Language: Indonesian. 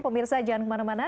pemirsa jangan kemana mana